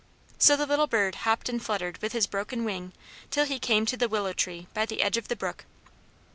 So the little bird hopped and fluttered with his broken wing till he came to the willow tree by the edge of the brook.